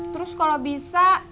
terus kalo bisa